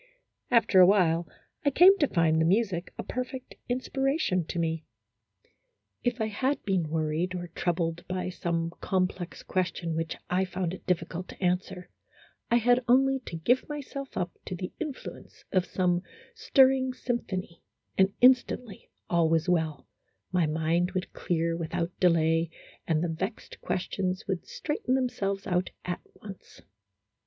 After a while I came to find the music a perfect inspiration to me. If I had been worried or troubled by some complex question which I found it difficult to answer, I had only to give myself up to the influ ence of some stirring symphony, and instantly all was well, my mind would clear without delay, and the vexed questions would straighten themselves out at once.